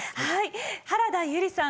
原田悠里さん